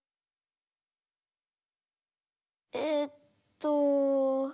えっと。